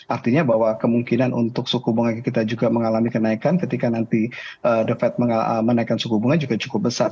artinya bahwa kemungkinan untuk suku bunga kita juga mengalami kenaikan ketika nanti the fed menaikkan suku bunga juga cukup besar